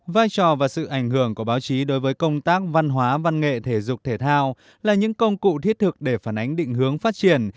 vai trò và sự ảnh hưởng của báo chí đối với công tác văn hóa văn nghệ thể dục thể thao là những công cụ thiết thực để phản ánh định hướng phát triển